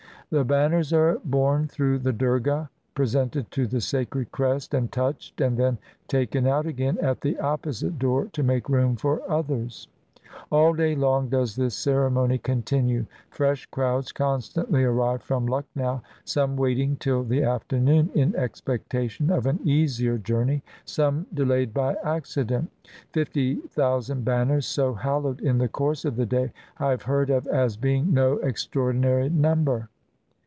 The banners are borne through the Durgah, pre sented to the sacred crest, and touched, and then taken out again at the opposite door to make room for others. All day long does this ceremony continue. Fresh crowds constantly arrive from Lucknow, some waiting till the afternoon in expectation of an easier journey, some de layed by accident. Fifty thousand banners so hallowed in the course of the day I have heard of as being no extraordinary number.